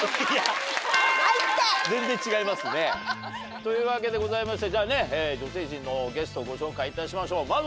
全然違いますね。というわけでございまして女性陣のゲストをご紹介いたしましょう。